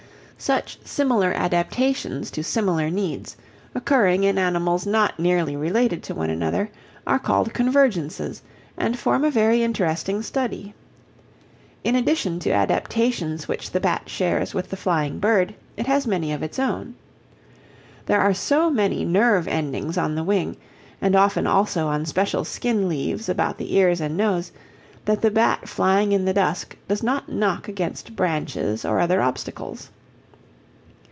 Such similar adaptations to similar needs, occurring in animals not nearly related to one another, are called "convergences," and form a very interesting study. In addition to adaptations which the bat shares with the flying bird, it has many of its own. There are so many nerve endings on the wing, and often also on special skin leaves about the ears and nose, that the bat flying in the dusk does not knock against branches or other obstacles.